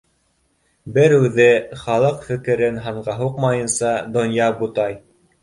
Бер үҙе, халыҡ фекерен һанға һуҡмайынса, донъя бутай